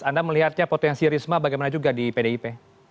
anda melihatnya potensi risma bagaimana juga di pdip